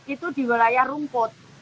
itu di wilayah rumput